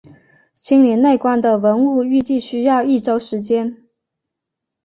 清理内棺的文物预计需要一周时间。